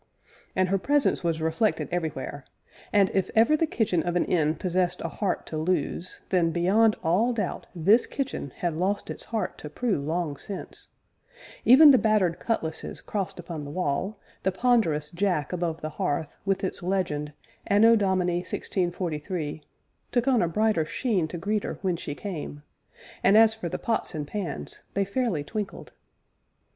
And her presence was reflected everywhere, and, if ever the kitchen of an inn possessed a heart to lose, then, beyond all doubt, this kitchen had lost its heart to Prue long since; even the battered cutlasses crossed upon the wall, the ponderous jack above the hearth, with its legend: ANNO DOMINI 1643, took on a brighter sheen to greet her when she came, and as for the pots and pans, they fairly twinkled.